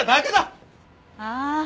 ああ。